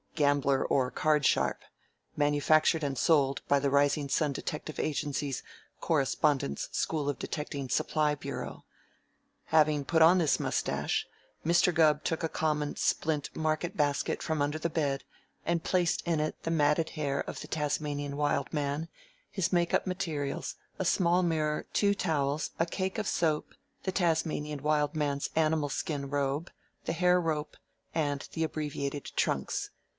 Gambler or Card Sharp. Manufactured and Sold by the Rising Sun Detective Agency's Correspondence School of Detecting Supply Bureau." Having put on this mustache, Mr. Gubb took a common splint market basket from under the bed and placed in it the matted hair of the Tasmanian Wild Man, his make up materials, a small mirror, two towels, a cake of soap, the Tasmanian Wild Man's animal skin robe, the hair rope, and the abbreviated trunks.